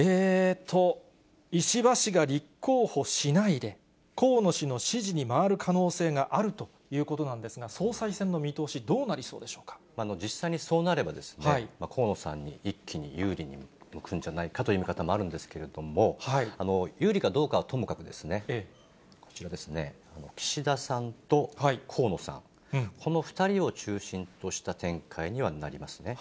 石破氏が立候補しないで、河野氏の支持に回る可能性があるということなんですが、総裁選の見通し、実際にそうなれば、河野さんに一気に有利に向くんじゃないかという見方もあるんですけれども、有利かどうかはともかく、こちらですね、岸田さんと河野さん、この２人を中心とした展開にはなりますね。